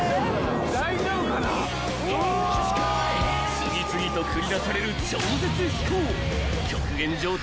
［次々と繰り出される超絶飛行］